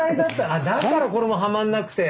あだからこれもはまんなくて。